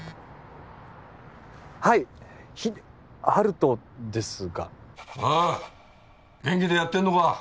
はい日陽斗ですがおう元気でやってんのか